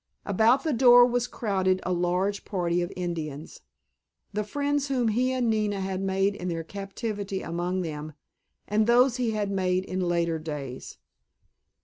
About the door was crowded a large party of Indians, the friends whom he and Nina had made in their captivity among them, and those he had made in later days.